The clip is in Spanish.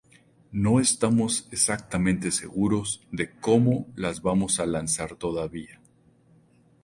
No estamos exactamente seguros de cómo las vamos a lanzar todavía.